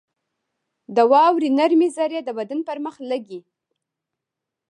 • د واورې نرمې ذرې د بدن پر مخ لګي.